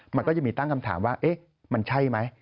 มันก็จะมีตั้งคำถามว่ามันใช่ไหม